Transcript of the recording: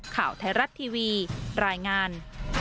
ข่าวไทยรัฐทีวีรายงาน